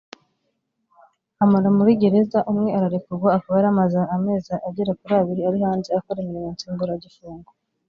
amara muri gereza umwe ararekurwa akaba yari amaze amezi agera kuri abiri ari hanze akora imirimo nsimburagifungo